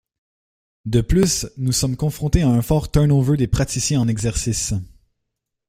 De plus, nous sommes confrontés à un fort turnover des praticiens en exercice.